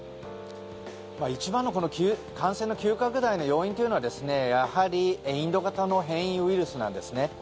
一番の感染の急拡大の要因というのはやはりインド型の変異ウイルスなんですね。